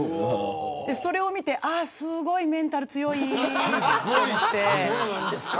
それを見てすごいメンタル強いと思って。